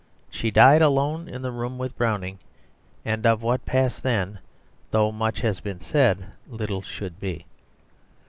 She died alone in the room with Browning, and of what passed then, though much has been said, little should be.